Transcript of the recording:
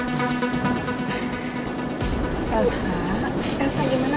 aku rasa kayak kamu suka deh sama mas nino